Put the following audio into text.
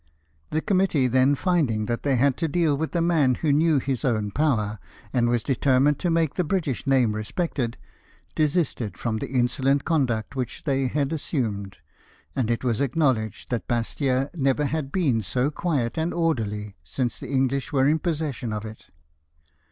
The committee then finding that they had to deal with a man who knew his own power, and was determined to make the British name respected, desisted from the insolent conduct which they had assumed, and it was acknowledged that Bastia never had been so quiet and orderly since the English were in possession of it.